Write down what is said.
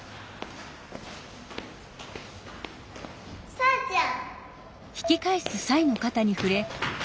さーちゃん。